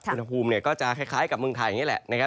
อุณหภูมิก็จะคล้ายกับเมืองไทยอย่างนี้แหละนะครับ